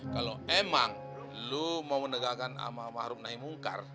kalau emang lu mau menegakkan amal amal runaimunkar